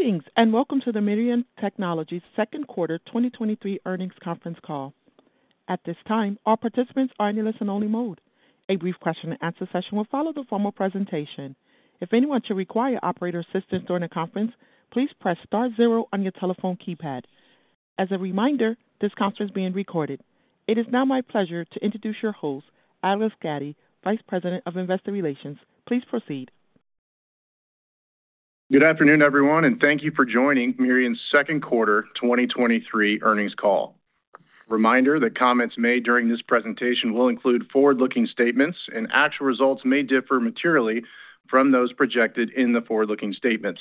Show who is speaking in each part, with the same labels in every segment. Speaker 1: Greetings, welcome to the Mirion Technologies Q2 2023 Earnings Conference Call. At this time, all participants are in a listen-only mode. A brief Q&A session will follow the formal presentation. If anyone should require operator assistance during the conference, please press star 0 on your telephone keypad. As a reminder, this conference is being recorded. It is now my pleasure to introduce your host, Alex Gaddy, Vice President of Investor Relations. Please proceed.
Speaker 2: Good afternoon, everyone, thank you for joining Mirion's Q2 2023 Earnings Call. Reminder that comments made during this presentation will include forward-looking statements, and actual results may differ materially from those projected in the forward-looking statements.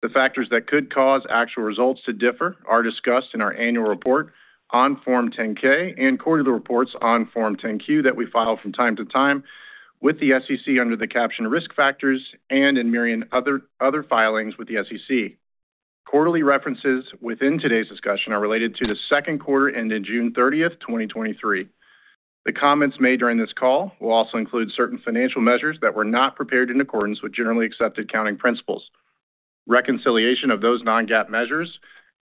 Speaker 2: The factors that could cause actual results to differ are discussed in our annual report on Form 10-K and quarterly reports on Form 10-Q that we file from time to time with the SEC under the caption Risk Factors and in Mirion other filings with the SEC. Quarterly references within today's discussion are related to Q2, ending June 30, 2023. The comments made during this call will also include certain financial measures that were not prepared in accordance with generally accepted accounting principles. Reconciliation of those non-GAAP measures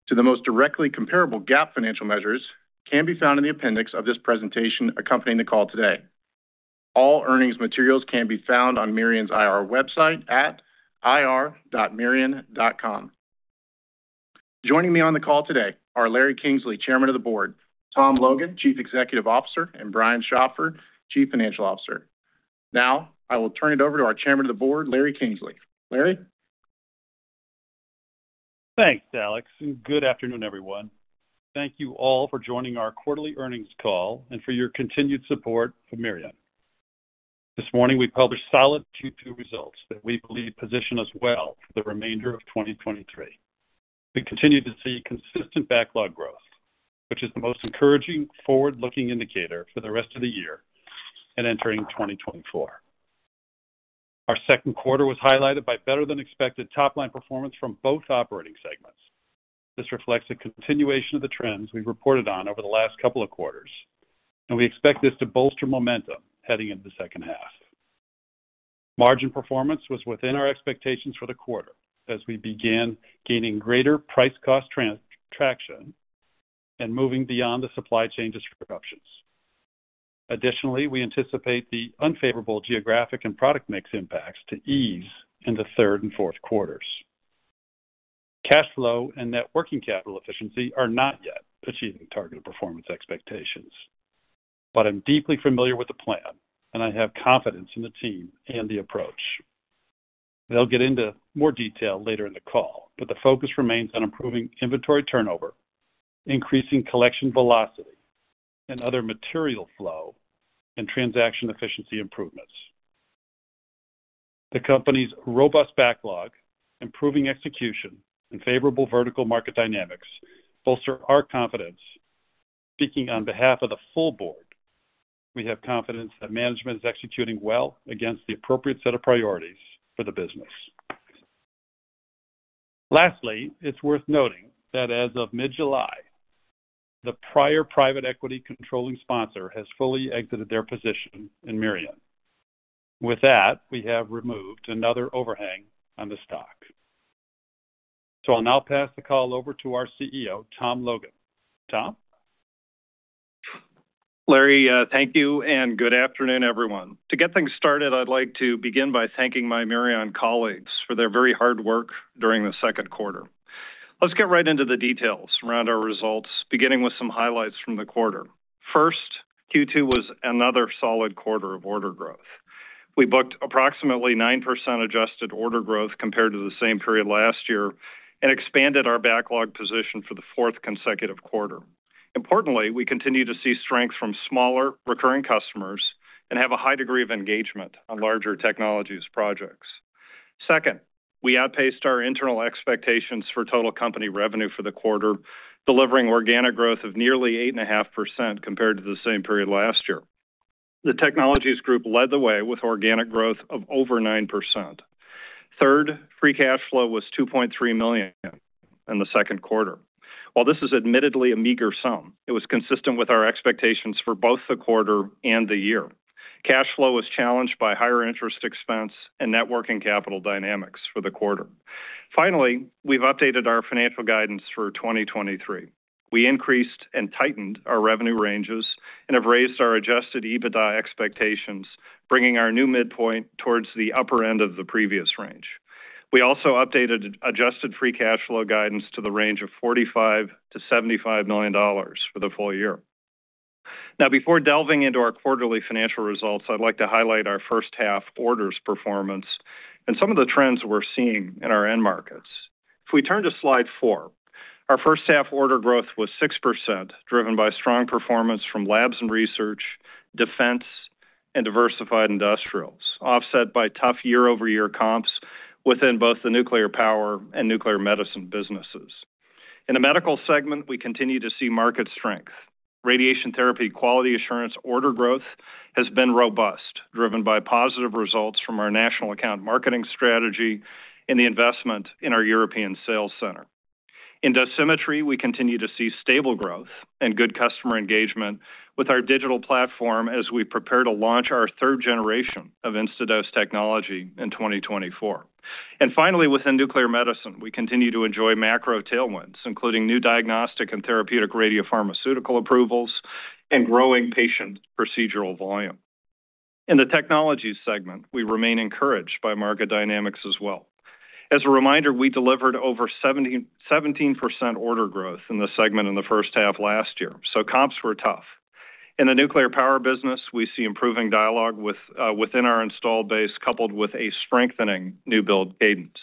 Speaker 2: to the most directly comparable GAAP financial measures can be found in the appendix of this presentation accompanying the call today. All earnings materials can be found on Mirion's IR website at ir.mirion.com. Joining me on the call today are Larry Kingsley, Chairman of the Board, Tom Logan, Chief Executive Officer, and Brian Schopfer, Chief Financial Officer. I will turn it over to our Chairman of the Board, Larry Kingsley. Larry?
Speaker 3: Thanks, Alex. Good afternoon, everyone. Thank you all for joining our quarterly Earnings Call and for your continued support for Mirion. This morning, we published solid Q2 results that we believe position us well for the remainder of 2023. We continue to see consistent backlog growth, which is the most encouraging forward-looking indicator for the rest of the year and entering 2024. Our Q2 was highlighted by better-than-expected top-line performance from both operating segments. This reflects a continuation of the trends we've reported on over the last couple of quarters. We expect this to bolster momentum heading into the second half. Margin performance was within our expectations for the quarter as we began gaining greater price cost traction and moving beyond the supply chain disruptions. Additionally, we anticipate the unfavorable geographic and product mix impacts to ease in Q3 and Q4. Cash flow and net working capital efficiency are not yet achieving targeted performance expectations. I'm deeply familiar with the plan, and I have confidence in the team and the approach. They'll get into more detail later in the call, the focus remains on improving inventory turnover, increasing collection velocity and other material flow, and transaction efficiency improvements. The company's robust backlog, improving execution, and favorable vertical market dynamics bolster our confidence. Speaking on behalf of the full board, we have confidence that management is executing well against the appropriate set of priorities for the business. Lastly, it's worth noting that as of mid-July, the prior private equity controlling sponsor has fully exited their position in Mirion. With that, we have removed another overhang on the stock. I'll now pass the call over to our CEO, Thomas Logan. Tom?
Speaker 4: Larry, thank you, and good afternoon, everyone. To get things started, I'd like to begin by thanking my Mirion colleagues for their very hard work during Q2. Let's get right into the details around our results, beginning with some highlights from the quarter. First, Q2 was another solid quarter of order growth. We booked approximately 9% adjusted order growth compared to the same period last year and expanded our backlog position for the fourth consecutive quarter. Importantly, we continue to see strength from smaller recurring customers and have a high degree of engagement on larger technologies projects. Second, we outpaced our internal expectations for total company revenue for the quarter, delivering organic growth of nearly 8.5% compared to the same period last year. The technologies group led the way with organic growth of over 9%. Third, free cash flow was $2.3 million in Q2. While this is admittedly a meager sum, it was consistent with our expectations for both the quarter and the year. Cash flow was challenged by higher interest expense and net working capital dynamics for the quarter. Finally, we've updated our financial guidance for 2023. We increased and tightened our revenue ranges and have raised our Adjusted EBITDA expectations, bringing our new midpoint towards the upper end of the previous range. We also updated adjusted free cash flow guidance to the range of $45 million-$75 million for the full year. Before delving into our quarterly financial results, I'd like to highlight our first half orders performance and some of the trends we're seeing in our end markets. If we turn to slide four, our first half order growth was 6%, driven by strong performance from labs and research, defense, and diversified industrials, offset by tough year-over-year comps within both the nuclear power and nuclear medicine businesses. In the medical segment, we continue to see market strength. Radiation therapy quality assurance order growth has been robust, driven by positive results from our national account marketing strategy and the investment in our European sales center. In Dosimetry, we continue to see stable growth and good customer engagement with our digital platform as we prepare to launch our third generation of InstaDose technology in 2024. Finally, within nuclear medicine, we continue to enjoy macro tailwinds, including new diagnostic and therapeutic radiopharmaceutical approvals and growing patient procedural volume. In the technology segment, we remain encouraged by market dynamics as well. As a reminder, we delivered over 17% order growth in this segment in H1 last year. Comps were tough. In the nuclear power business, we see improving dialogue with within our installed base, coupled with a strengthening new build cadence.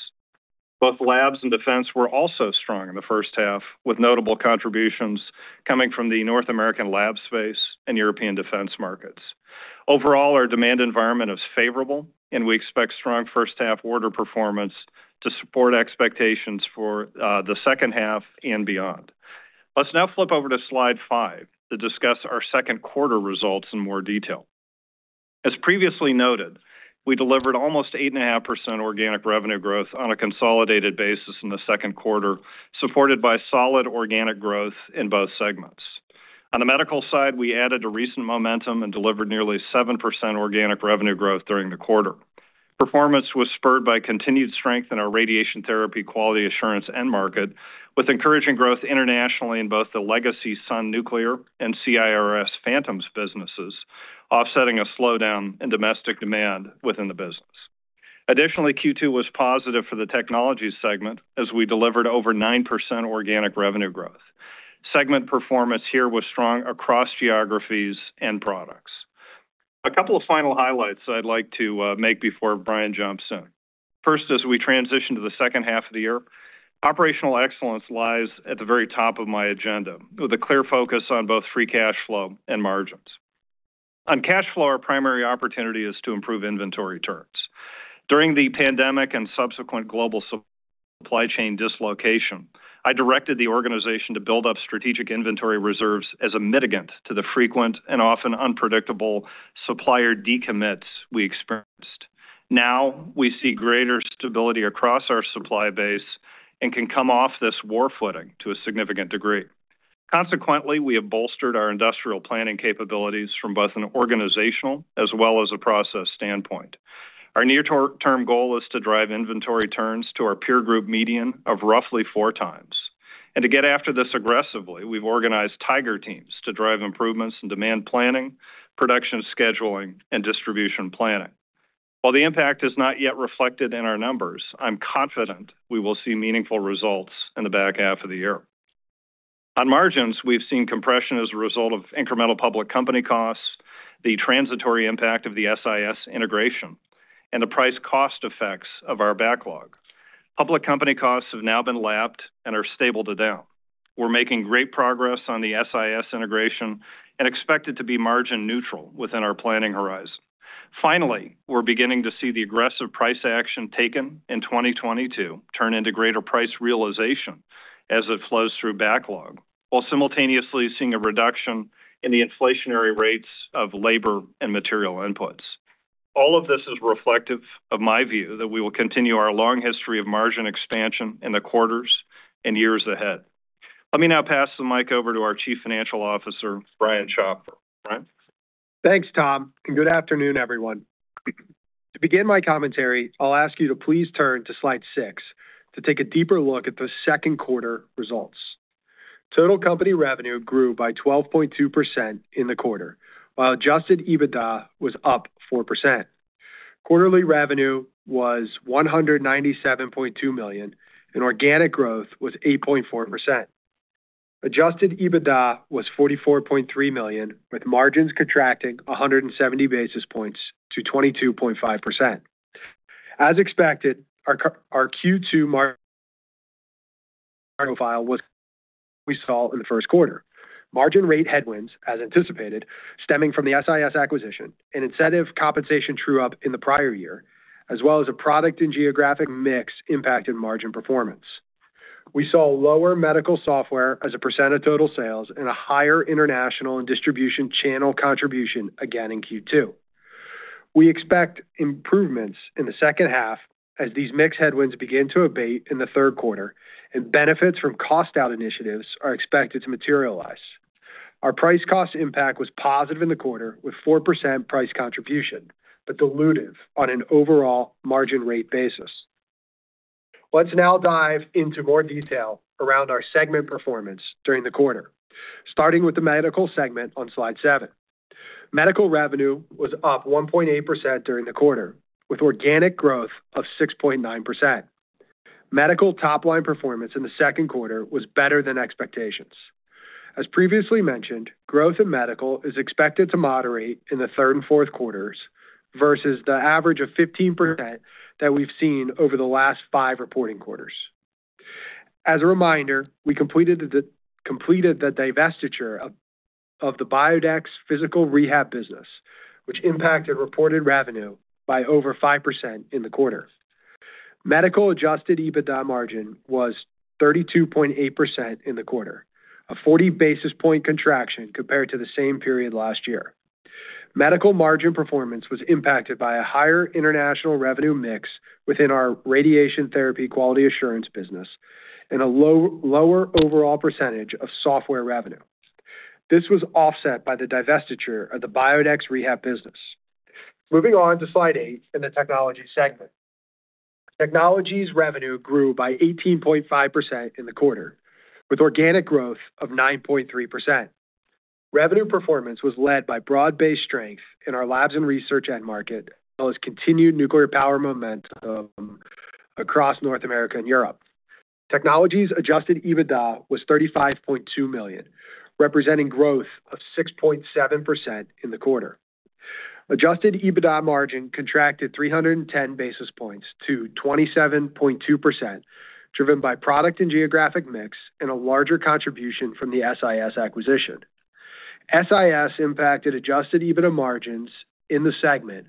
Speaker 4: Both labs and defense were also strong in the first half, with notable contributions coming from the North American lab space and European defense markets. Overall, our demand environment is favorable, and we expect strong first-half order performance to support expectations for the second half and beyond. Let's now flip over to slide five to discuss our Q2 results in more detail. As previously noted, we delivered almost 8.5% organic revenue growth on a consolidated basis in Q2, supported by solid organic growth in both segments. On the medical side, we added to recent momentum and delivered nearly 7% organic revenue growth during the quarter. Performance was spurred by continued strength in our radiation therapy quality assurance end market, with encouraging growth internationally in both the legacy Sun Nuclear and CIRS phantoms businesses, offsetting a slowdown in domestic demand within the business. Additionally, Q2 was positive for the technology segment as we delivered over 9% organic revenue growth. Segment performance here was strong across geographies and products. A couple of final highlights I'd like to make before Brian jumps in. First, as we transition to H2, operational excellence lies at the very top of my agenda, with a clear focus on both free cash flow and margins. On cash flow, our primary opportunity is to improve inventory turns. During the pandemic and subsequent global supply chain dislocation, I directed the organization to build up strategic inventory reserves as a mitigant to the frequent and often unpredictable supplier decommits we experienced. We see greater stability across our supply base and can come off this war footing to a significant degree. We have bolstered our industrial planning capabilities from both an organizational as well as a process standpoint. Our near-term goal is to drive inventory turns to our peer group median of roughly four times. To get after this aggressively, we've organized tiger teams to drive improvements in demand planning, production scheduling, and distribution planning. While the impact is not yet reflected in our numbers, I'm confident we will see meaningful results in the back half of the year. On margins, we've seen compression as a result of incremental public company costs, the transitory impact of the SIS integration, and the price cost effects of our backlog. Public company costs have now been lapped and are stable to down. We're making great progress on the SIS integration and expect it to be margin neutral within our planning horizon. Finally, we're beginning to see the aggressive price action taken in 2022 turn into greater price realization as it flows through backlog, while simultaneously seeing a reduction in the inflationary rates of labor and material inputs. All of this is reflective of my view that we will continue our long history of margin expansion in the quarters and years ahead. Let me now pass the mic over to our Chief Financial Officer, Brian Schopfer. Brian?
Speaker 5: Thanks, Tom, and good afternoon, everyone. To begin my commentary, I'll ask you to please turn to slide six to take a deeper look at Q2 results. Total company revenue grew by 12.2% in the quarter, while Adjusted EBITDA was up 4%. Quarterly revenue was $197.2 million, and organic growth was 8.4%. Adjusted EBITDA was $44.3 million, with margins contracting 170 basis points to 22.5%. As expected, our Q2 profile was we saw in Q1. Margin rate headwinds, as anticipated, stemming from the SIS acquisition, an incentive compensation true-up in the prior year, as well as a product and geographic mix impacted margin performance. We saw lower medical software as a percentage of total sales and a higher international and distribution channel contribution again in Q2. We expect improvements in the second half as these mix headwinds begin to abate in Q3, and benefits from cost out initiatives are expected to materialize. Our price cost impact was positive in the quarter, with 4% price contribution, but dilutive on an overall margin rate basis. Let's now dive into more detail around our segment performance during the quarter, starting with the Medical segment on slide seven. Medical revenue was up 1.8% during the quarter, with organic growth of 6.9%. Medical top-line performance in Q2 was better than expectations. As previously mentioned, growth in medical is expected to moderate in the third and Q4s versus the average of 15% that we've seen over the last five reporting quarters. As a reminder, we completed the divestiture of the Biodex physical rehab business, which impacted reported revenue by over 5% in the quarter. Medical Adjusted EBITDA margin was 32.8% in the quarter, a 40 basis point contraction compared to the same period last year. Medical margin performance was impacted by a higher international revenue mix within our radiation therapy quality assurance business and a lower overall percentage of software revenue. This was offset by the divestiture of the Biodex Rehab business. Moving on to Slide eight in the technology segment. Technologies revenue grew by 18.5% in the quarter, with organic growth of 9.3%. Revenue performance was led by broad-based strength in our labs and research end market, as well as continued nuclear power momentum across North America and Europe. Technologies adjusted EBITDA was $35.2 million, representing growth of 6.7% in the quarter. Adjusted EBITDA margin contracted 310 basis points to 27.2%, driven by product and geographic mix and a larger contribution from the SIS acquisition. SIS impacted adjusted EBITDA margins in the segment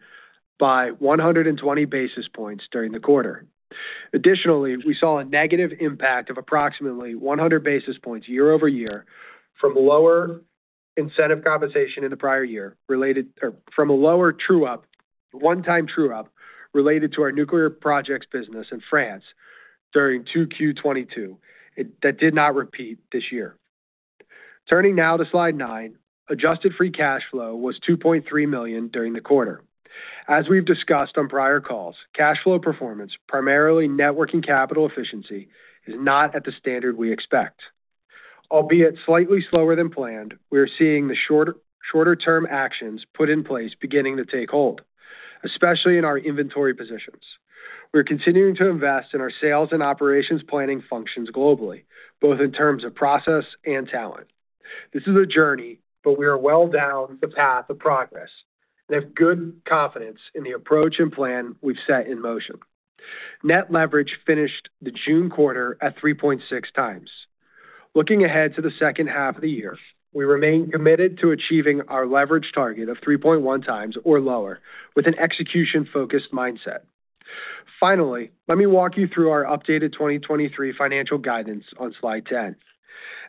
Speaker 5: by 120 basis points during the quarter. We saw a negative impact of approximately 100 basis points year-over-year from lower incentive compensation in the prior year or from a lower true-up, one-time true-up related to our nuclear projects business in France during Q2 2022. That did not repeat this year. Turning now to Slide nine, adjusted free cash flow was $2.3 million during the quarter. As we've discussed on prior calls, cash flow performance, primarily net working capital efficiency, is not at the standard we expect. Albeit slightly slower than planned, we are seeing the shorter-term actions put in place beginning to take hold, especially in our inventory positions. We're continuing to invest in our sales and operations planning functions globally, both in terms of process and talent. This is a journey, we are well down the path of progress and have good confidence in the approach and plan we've set in motion. Net leverage finished the June quarter at 3.6 times. Looking ahead to H2, we remain committed to achieving our leverage target of 3.1 times or lower, with an execution-focused mindset. Finally, let me walk you through our updated 2023 financial guidance on Slide 10.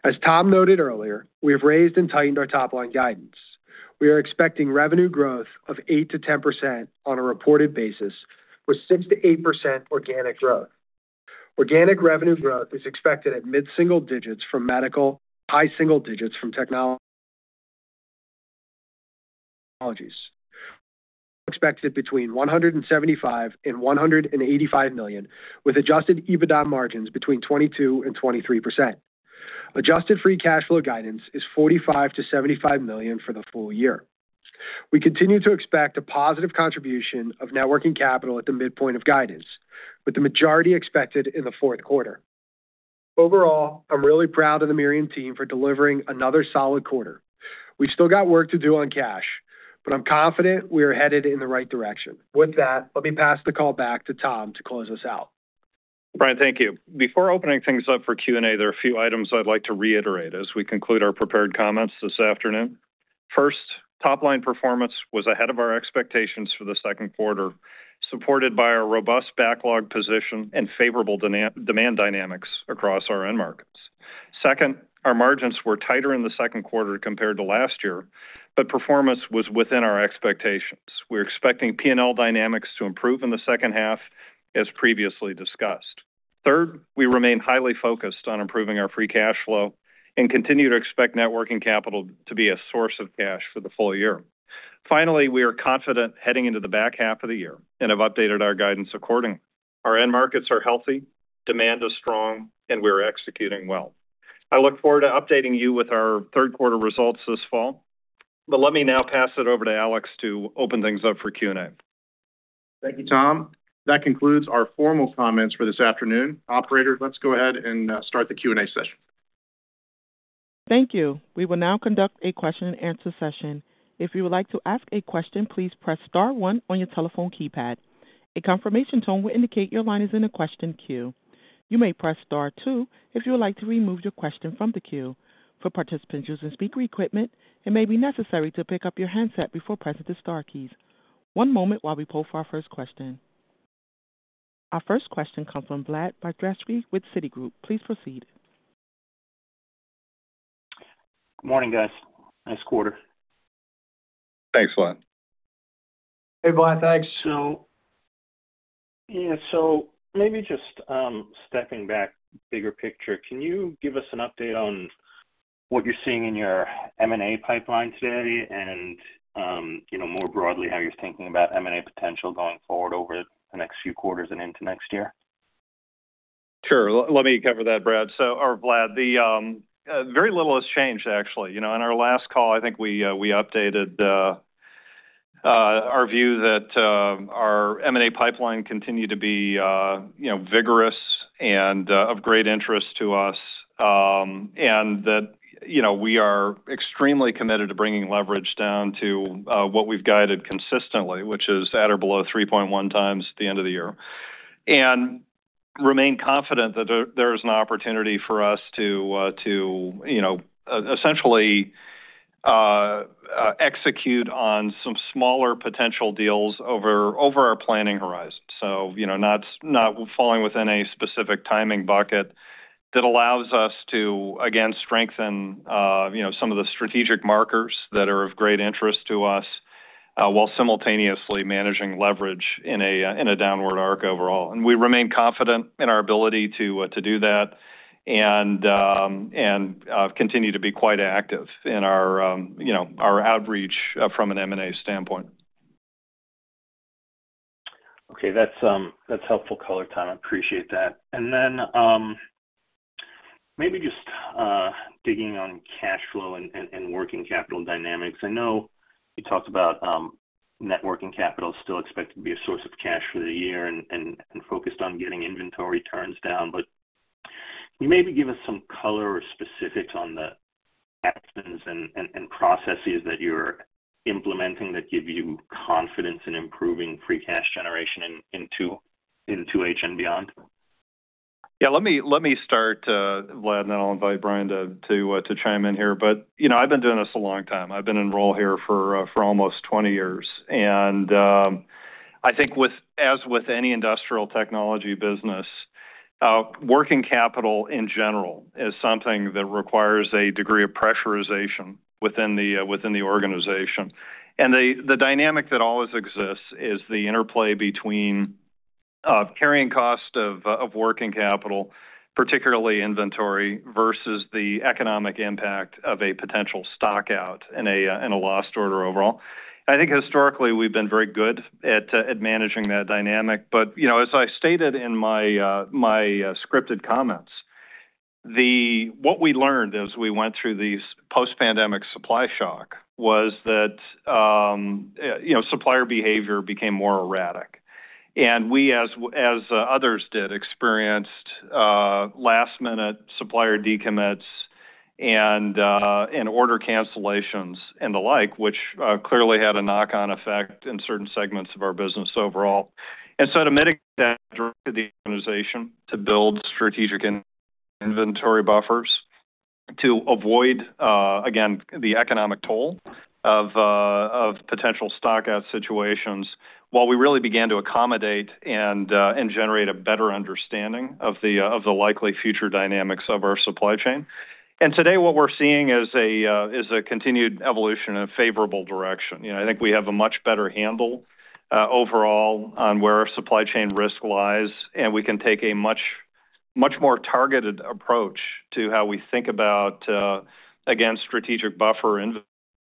Speaker 5: As Tom noted earlier, we have raised and tightened our top-line guidance. We are expecting revenue growth of 8%-10% on a reported basis, with 6%-8% organic growth. Organic revenue growth is expected at mid-single digits from medical, high single digits from technologies. Expected between $175 million and $185 million, with Adjusted EBITDA margins between 22% and 23%. Adjusted free cash flow guidance is $45 million-$75 million for the full year. We continue to expect a positive contribution of net working capital at the midpoint of guidance, with the majority expected in Q4. Overall, I'm really proud of the Mirion team for delivering another solid quarter. We've still got work to do on cash, but I'm confident we are headed in the right direction. With that, let me pass the call back to Tom to close us out.
Speaker 4: Brian, thank you. Before opening things up for Q&A, there are a few items I'd like to reiterate as we conclude our prepared comments this afternoon. First, top-line performance was ahead of our expectations for Q2, supported by our robust backlog position and favorable demand dynamics across our end markets. Second, our margins were tighter in Q2 compared to last year, but performance was within our expectations. We're expecting P&L dynamics to improve in the second half, as previously discussed. Third, we remain highly focused on improving our free cash flow and continue to expect net working capital to be a source of cash for the full year. We are confident heading into the back half of the year and have updated our guidance accordingly. Our end markets are healthy, demand is strong, and we're executing well. I look forward to updating you with our Q3 results this fall, but let me now pass it over to Alex to open things up for Q&A.
Speaker 5: Thank you, Tom. That concludes our formal comments for this afternoon. Operator, let's go ahead and start the Q&A session.
Speaker 1: Thank you. We will now conduct a Q&A session. If you would like to ask a question, please press star one on your telephone keypad. A confirmation tone will indicate your line is in a question queue. You may press star two if you would like to remove your question from the queue. For participants using speaker equipment, it may be necessary to pick up your handset before pressing the star keys. One moment while we poll for our first question. Our first question comes from Vlad Bystricky with Citigroup. Please proceed.
Speaker 6: Good morning, guys. Nice quarter.
Speaker 4: Thanks, Vlad.
Speaker 5: Hey, Vlad. Thanks.
Speaker 6: Yeah, so maybe just stepping back, bigger picture, can you give us an update on what you're seeing in your M&A pipeline today and, you know, more broadly, how you're thinking about M&A potential going forward over the next few quarters and into next year?
Speaker 4: Sure. Let, let me cover that, Brad. Or Vlad, the, very little has changed, actually. You know, in our last call, I think we, we updated, our view that, our M&A pipeline continued to be, you know, vigorous and, of great interest to us. That, you know, we are extremely committed to bringing leverage down to, what we've guided consistently, which is at or below 3.1 times at the end of the year. Remain confident that there, there is an opportunity for us to, to, you know, essentially, execute on some smaller potential deals over, over our planning horizon. You know, not, not falling within a specific timing bucket... that allows us to, again, strengthen, you know, some of the strategic markers that are of great interest to us, while simultaneously managing leverage in a downward arc overall. We remain confident in our ability to do that and continue to be quite active in our, you know, our outreach, from an M&A standpoint.
Speaker 6: Okay, that's, that's helpful color, Tom. I appreciate that. Then, maybe just, digging on cash flow and, and, working capital dynamics. I know you talked about, net working capital still expected to be a source of cash for the year and, and, and focused on getting inventory turns down. Can you maybe give us some color or specifics on the actions and, and, processes that you're implementing that give you confidence in improving free cash generation in, into, into H and beyond?
Speaker 4: Yeah, let me, let me start, Vlad, then I'll invite Brian to, to, to chime in here. You know, I've been doing this a long time. I've been in role here for almost 20 years, and, I think as with any industrial technology business, working capital, in general, is something that requires a degree of pressurization within the within the organization. The, the dynamic that always exists is the interplay between, carrying cost of, of working capital, particularly inventory, versus the economic impact of a potential stock out and a, and a lost order overall. I think historically, we've been very good at managing that dynamic, but, you know, as I stated in my, my scripted comments, what we learned as we went through these post-pandemic supply shock was that, you know, supplier behavior became more erratic. We, as, as others did, experienced last-minute supplier decommits and order cancellations and the like, which clearly had a knock-on effect in certain segments of our business overall. To mitigate that, directed the organization to build strategic in-inventory buffers to avoid again, the economic toll of potential stock out situations, while we really began to accommodate and generate a better understanding of the likely future dynamics of our supply chain. Today, what we're seeing is a continued evolution in a favorable direction. You know, I think we have a much better handle, overall on where our supply chain risk lies, and we can take a much, much more targeted approach to how we think about, again, strategic buffer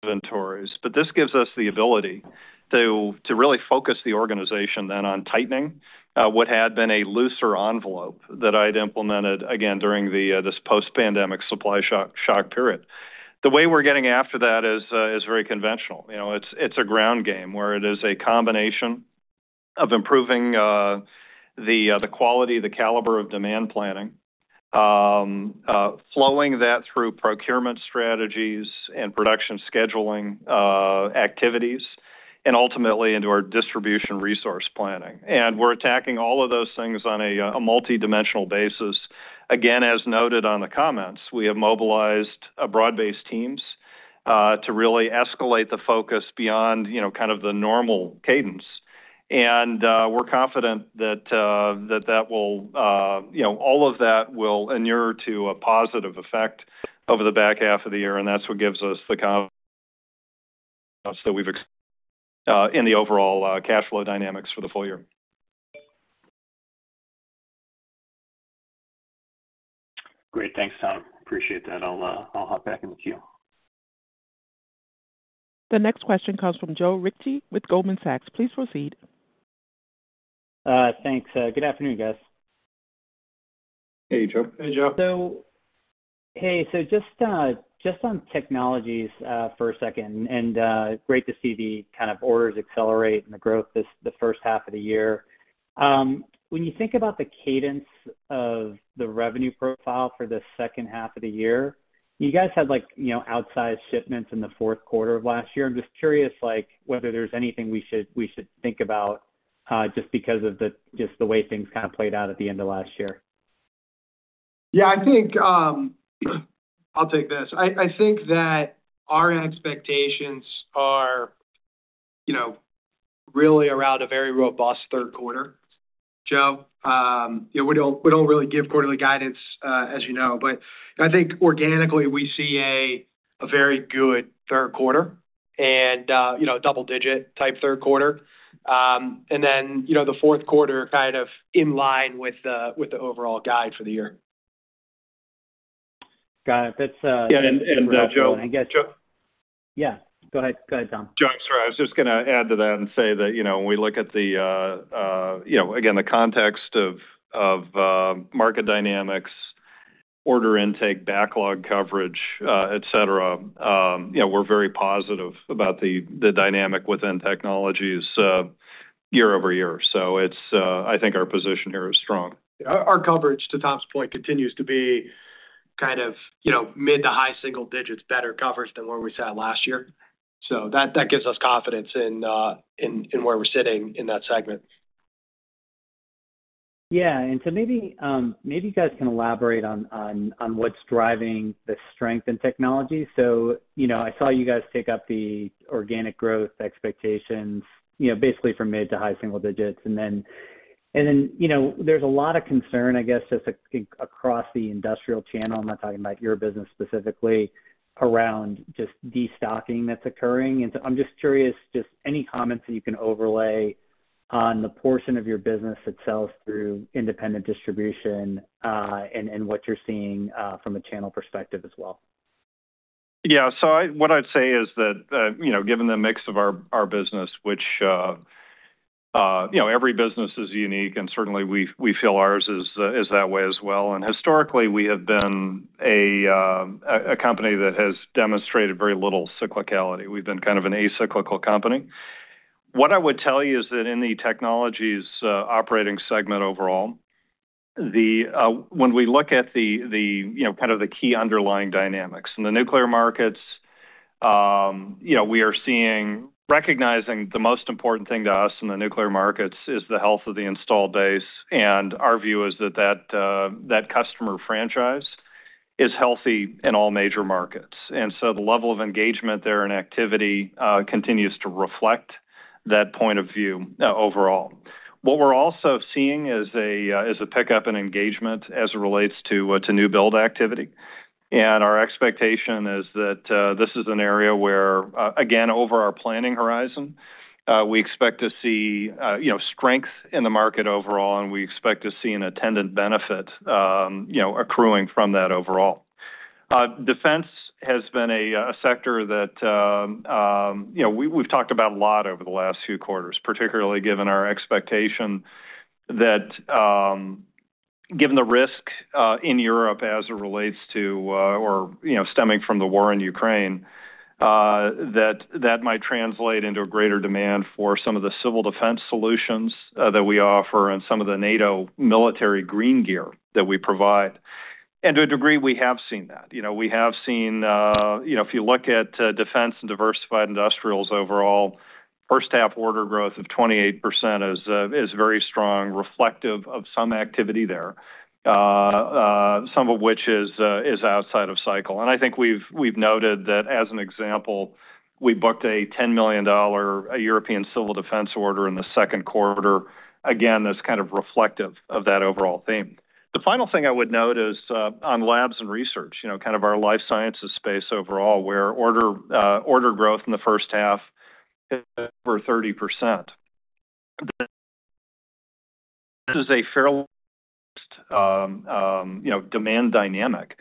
Speaker 4: inventories. This gives us the ability to, to really focus the organization then on tightening what had been a looser envelope that I'd implemented, again, during the, this post-pandemic supply shock, shock period. The way we're getting after that is, is very conventional. You know, it's, it's a ground game where it is a combination of improving the quality, the caliber of demand planning, flowing that through procurement strategies and production scheduling activities, and ultimately into our distribution resource planning. We're attacking all of those things on a multidimensional basis. Again, as noted on the comments, we have mobilized a broad-based teams, to really escalate the focus beyond, you know, kind of the normal cadence. We're confident that, that, that will, you know, all of that will inure to a positive effect over the back half of the year, and that's what gives us the [inaudible] in the overall, cash flow dynamics for the full year.
Speaker 6: Great. Thanks, Tom. Appreciate that. I'll, I'll hop back in the queue.
Speaker 1: The next question comes from Joe Ritchie with Goldman Sachs. Please proceed.
Speaker 7: Thanks. Good afternoon, guys.
Speaker 4: Hey, Joe.
Speaker 5: Hey, Joe.
Speaker 7: Hey, so just on technologies for a second, great to see the kind of orders accelerate and the growth this, H1. When you think about the cadence of the revenue profile for H2, you guys had, like, you know, outsized shipments in Q4 of last year. I'm just curious, like, whether there's anything we should, we should think about just because of the, just the way things kind of played out at the end of last year.
Speaker 5: Yeah, I think, I'll take this. I, I think that our expectations are, you know, really around a very robust Q3, Joe. You know, we don't, we don't really give quarterly guidance, as you know, but I think organically we see a, a very good Q3 and, you know, double-digit type Q3. Then, you know, Q4 kind of in line with the, with the overall guide for the year.
Speaker 7: Got it. That's.
Speaker 4: Yeah, Joe? Joe.
Speaker 7: Yeah, go ahead. Go ahead, Tom.
Speaker 4: Joe, I'm sorry. I was just gonna add to that and say that, you know, when we look at the, you know, again, the context of, of, market dynamics, order intake, backlog coverage, et cetera, you know, we're very positive about the dynamic within technologies, year-over-year. I think our position here is strong.
Speaker 5: Our coverage, to Tom's point, continues to be kind of, you know, mid to high single digits, better coverage than where we sat last year. That gives us confidence in where we're sitting in that segment.
Speaker 7: Yeah, maybe, maybe you guys can elaborate on, on, on what's driving the strength in technology. You know, I saw you guys take up the organic growth expectations, you know, basically from mid to high single digits. Then, you know, there's a lot of concern, I guess, just across the industrial channel, I'm not talking about your business specifically, around just destocking that's occurring. I'm just curious, just any comments that you can overlay on the portion of your business that sells through independent distribution, and, and what you're seeing from a channel perspective as well.
Speaker 4: Yeah. What I'd say is that, you know, given the mix of our, our business, which, you know, every business is unique, and certainly, we, we feel ours is, is that way as well. Historically, we have been a company that has demonstrated very little cyclicality. We've been kind of an acyclical company. What I would tell you is that in the technologies, operating segment overall, the, when we look at the, the, you know, kind of the key underlying dynamics. In the nuclear markets, you know, we are seeing, recognizing the most important thing to us in the nuclear markets is the health of the installed base, and our view is that, that, that customer franchise is healthy in all major markets. The level of engagement there and activity continues to reflect that point of view overall. What we're also seeing is a pickup in engagement as it relates to new build activity. Our expectation is that this is an area where, again, over our planning horizon, we expect to see, you know, strength in the market overall, and we expect to see an attendant benefit, you know, accruing from that overall. Defense has been a sector that, you know, we, we've talked about a lot over the last few quarters, particularly given our expectation that, given the risk in Europe as it relates to, or, you know, stemming from the war in Ukraine, that, that might translate into a greater demand for some of the civil defense solutions that we offer and some of the NATO military green gear that we provide. To a degree, we have seen that. You know, we have seen. You know, if you look at defense and diversified industrials overall, first half order growth of 28% is very strong, reflective of some activity there, some of which is outside of cycle. I think we've, we've noted that, as an example, we booked a $10 million European civil defense order in Q2. Again, that's kind of reflective of that overall theme. The final thing I would note is on labs and research, you know, kind of our life sciences space overall, where order growth in the first half, over 30%. This is a fairly, you know, demand dynamic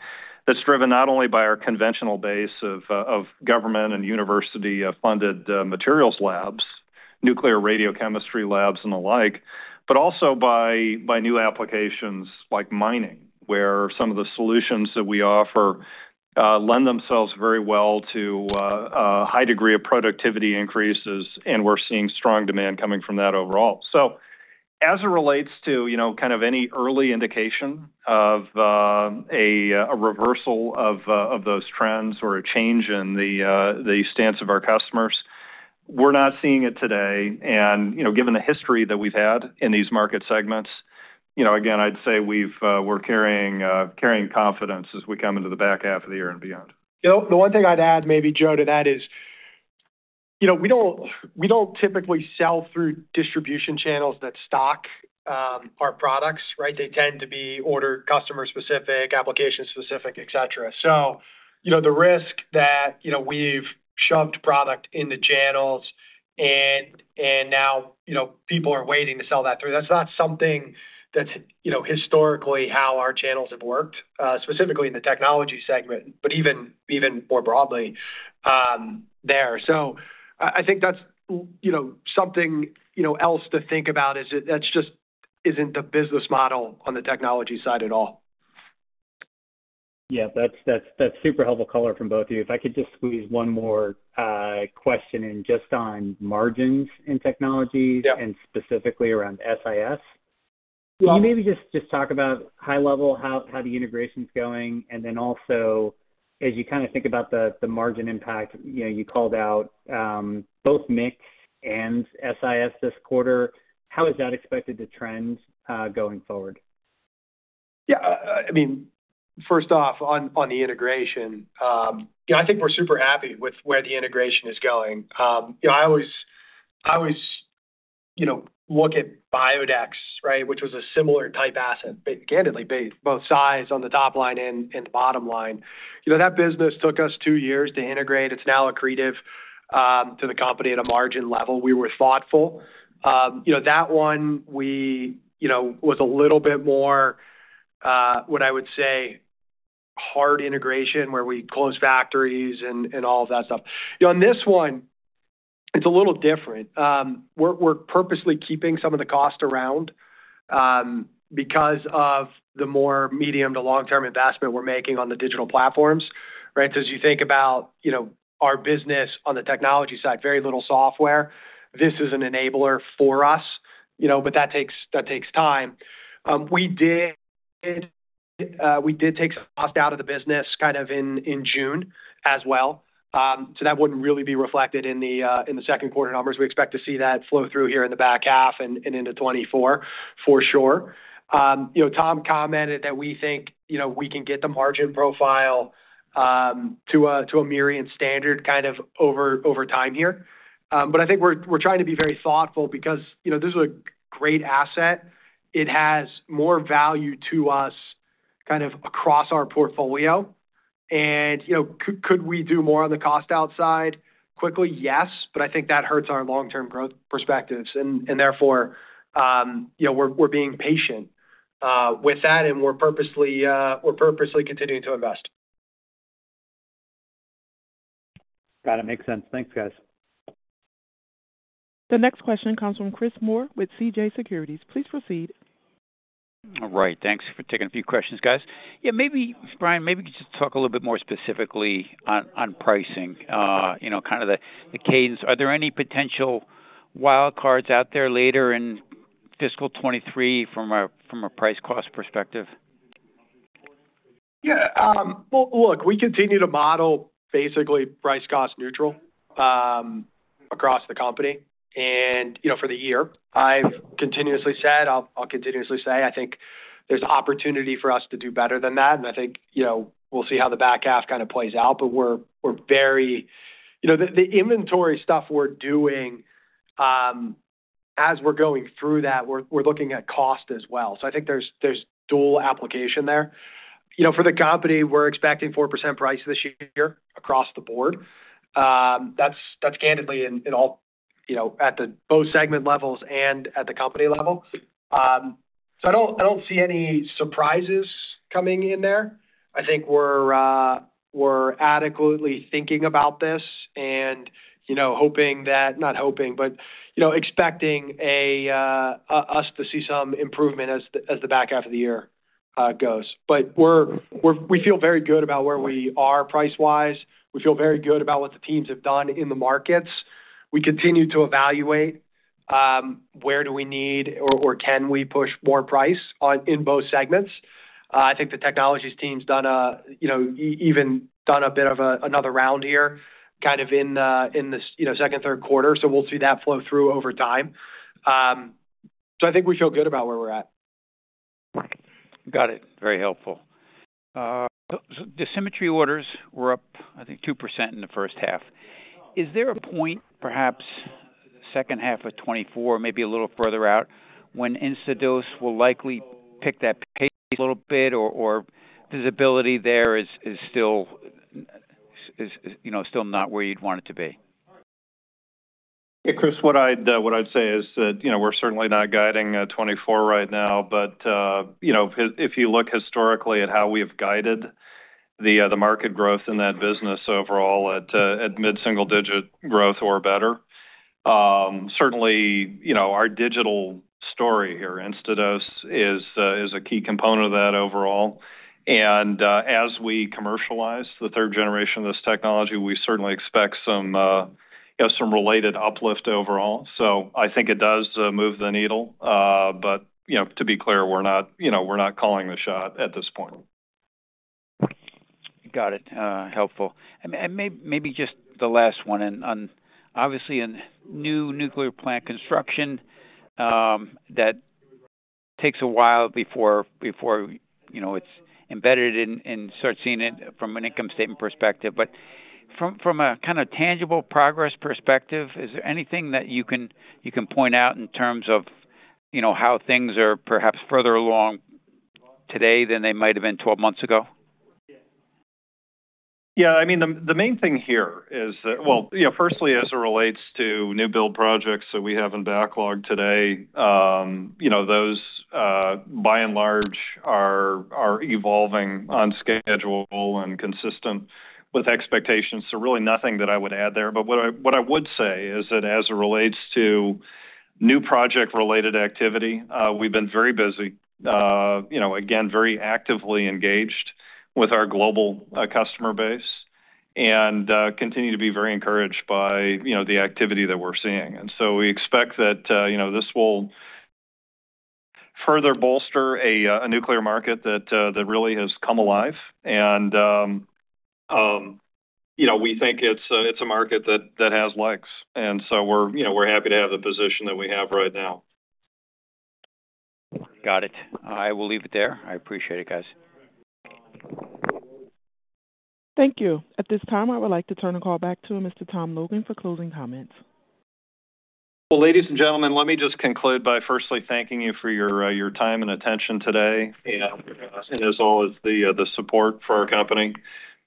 Speaker 4: that's driven not only by our conventional base of government and university funded materials labs, nuclear radiochemistry labs and the like, but also by, by new applications like mining, where some of the solutions that we offer lend themselves very well to a high degree of productivity increases, and we're seeing strong demand coming from that overall. As it relates to, you know, kind of any early indication of, a, a reversal of, of those trends or a change in the, the stance of our customers, we're not seeing it today. You know, given the history that we've had in these market segments, you know, again, I'd say we've, we're carrying, carrying confidence as we come into the back half of the year and beyond.
Speaker 5: You know, the one thing I'd add, maybe, Joe, to that is, you know, we don't, we don't typically sell through distribution channels that stock, our products, right? They tend to be order customer-specific, application-specific, et cetera. You know, the risk that, you know, we've shoved product in the channels and, and now, you know, people are waiting to sell that through, that's not something that's, you know, historically how our channels have worked, specifically in the technology segment, but even, even more broadly, there. I, I think that's, you know, something, you know, else to think about, is it, that's just isn't the business model on the technology side at all.
Speaker 7: Yeah, that's, that's, that's super helpful color from both of you. If I could just squeeze one more, question in, just on margins in technologies-
Speaker 5: Yeah.
Speaker 7: Specifically around SIS.
Speaker 5: Yeah.
Speaker 7: Can you maybe just, just talk about high level, how, how the integration's going, and then also, as you kind of think about the, the margin impact, you know, you called out, both Mix and SIS this quarter, how is that expected to trend, going forward?
Speaker 5: Yeah, I mean, first off, on, on the integration, yeah, I think we're super happy with where the integration is going. You know, I always, I always, you know, look at Biodex, right? Which was a similar type asset, but candidly, both size on the top line and, and the bottom line. You know, that business took us two years to integrate. It's now accretive to the company at a margin level. We were thoughtful. You know, that one we, you know, was a little bit more, what I would say, hard integration, where we closed factories and, and all of that stuff. You know, on this one, it's a little different. We're, we're purposely keeping some of the cost around because of the more medium to long-term investment we're making on the digital platforms, right? As you think about, you know, our business on the technology side, very little software. This is an enabler for us, you know, but that takes, that takes time. We did, we did take some cost out of the business kind of in, in June as well. That wouldn't really be reflected in the in the Q2 numbers. We expect to see that flow through here in the back half and, and into 2024, for sure. You know, Tom commented that we think, you know, we can get the margin profile, to a, to a Mirion standard kind of over, over time here. I think we're, we're trying to be very thoughtful because, you know, this is a great asset. It has more value to us... kind of across our portfolio. You know, could we do more on the cost outside quickly? Yes, but I think that hurts our long-term growth perspectives, and, and therefore, you know, we're, we're being patient with that, and we're purposely, we're purposely continuing to invest.
Speaker 7: Got it. Makes sense. Thanks, guys.
Speaker 1: The next question comes from Chris Moore with CJS Securities. Please proceed.
Speaker 8: All right, thanks for taking a few questions, guys. Yeah, maybe Brian, maybe you could just talk a little bit more specifically on, on pricing, you know, kind of the, the cadence. Are there any potential wild cards out there later in Fiscal 2023 from a, from a price cost perspective?
Speaker 5: Yeah, well, look, we continue to model basically price cost neutral across the company and, you know, for the year. I've continuously said, I'll, I'll continuously say, I think there's opportunity for us to do better than that, and I think, you know, we'll see how the back half kind of plays out. We're, we're very... You know, the, the inventory stuff we're doing, as we're going through that, we're, we're looking at cost as well. I think there's, there's dual application there. You know, for the company, we're expecting 4% price this year across the board. That's, that's candidly in, in all, you know, at the both segment levels and at the company level. I don't, I don't see any surprises coming in there. I think we're adequately thinking about this and, you know, hoping that, not hoping, but, you know, expecting us to see some improvement as the back half of the year goes. We feel very good about where we are price-wise. We feel very good about what the teams have done in the markets. We continue to evaluate where do we need or, or can we push more price on, in both segments. I think the Technologies team's done a, you know, even done a bit of another round here, kind of in the, in the you know, second, Q3, so we'll see that flow through over time. I think we feel good about where we're at.
Speaker 8: Got it. Very helpful. The Symmetry orders were up, I think, 2% in the first half. Is there a point, perhaps H2 2024, maybe a little further out, when InstaDose will likely pick that pace a little bit, or, or visibility there is, is still, is, is, you know, still not where you'd want it to be?
Speaker 4: Yeah, Chris, what I'd, what I'd say is that, you know, we're certainly not guiding 2024 right now, but, you know, if you look historically at how we have guided the market growth in that business overall at mid-single digit growth or better, certainly, you know, our digital story here, InstaDose, is a, is a key component of that overall. As we commercialize the 3rd generation of this technology, we certainly expect some, you know, some related uplift overall. I think it does move the needle, but, you know, to be clear, we're not, you know, we're not calling the shot at this point.
Speaker 8: Got it. Helpful. Maybe just the last one, and on obviously in new nuclear plant construction, that takes a while before, before, you know, it's embedded and, and start seeing it from an income statement perspective. From a kinda tangible progress perspective, is there anything that you can, you can point out in terms of, you know, how things are perhaps further along today than they might have been 12 months ago?
Speaker 4: Yeah, I mean, the, the main thing here is that. Well, you know, firstly, as it relates to new build projects that we have in backlog today, you know, those by and large are evolving on schedule and consistent with expectations, so really nothing that I would add there. What I, what I would say is that as it relates to new project-related activity, we've been very busy, you know, again, very actively engaged with our global customer base and continue to be very encouraged by, you know, the activity that we're seeing. So we expect that, you know, this will further bolster a nuclear market that really has come alive. You know, we think it's a, it's a market that, that has legs, and so we're, you know, we're happy to have the position that we have right now.
Speaker 8: Got it. I will leave it there. I appreciate it, guys.
Speaker 1: Thank you. At this time, I would like to turn the call back to Mr. Thomas Logan for closing comments.
Speaker 4: Well, ladies and gentlemen, let me just conclude by firstly thanking you for your time and attention today, and as well as the support for our company.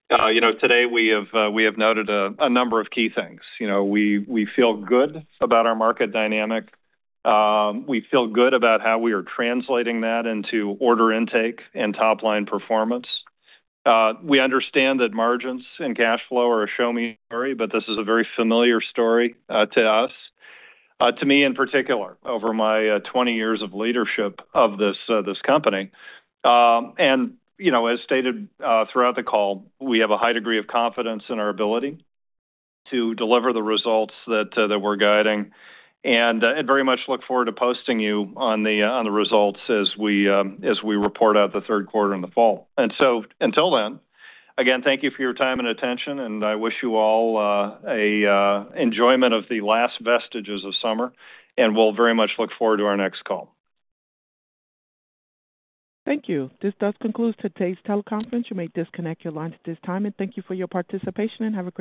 Speaker 4: You know, today we have, we have noted a number of key things. You know, we, we feel good about our market dynamic. We feel good about how we are translating that into order intake and top-line performance. We understand that margins and cash flow are a show me story, but this is a very familiar story to us, to me in particular, over my 20 years of leadership of this company. You know, as stated throughout the call, we have a high degree of confidence in our ability to deliver the results that we're guiding, I very much look forward to posting you on the results as we report out Q3 in the fall. Until then, again, thank you for your time and attention, and I wish you all enjoyment of the last vestiges of summer, and we'll very much look forward to our next call.
Speaker 1: Thank you. This does conclude today's Teleconference. You may disconnect your lines at this time, and thank you for your participation, and have a-